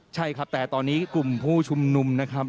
ใช่ครับแต่ตอนนี้กลุ่มผู้ชุมนุมนะครับ